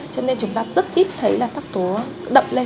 cho nên chúng ta rất ít thấy sắc tố đậm lên của nam giới